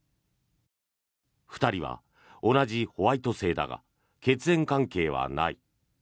２人は同じホワイト姓だが血縁関係はない。